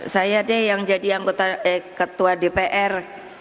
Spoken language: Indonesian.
saya deh yang jadi ketua dpr